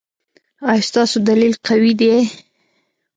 ایا ستاسو دلیل قوي دی؟